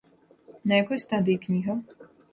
На якой стадыі кніга?